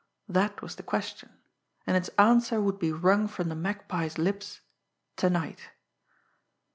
That was the question and its answer would be wrung from the Magpie's lips to night!